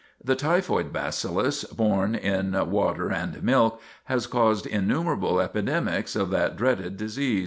The typhoid bacillus, borne in water and milk, has caused innumerable epidemics of that dreaded disease.